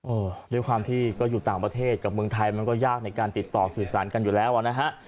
เออด้วยความที่ก็อยู่ต่างประเทศกับเมืองไทยมันก็ยากในการติดต่อสื่อสารกันอยู่แล้วอ่ะนะฮะ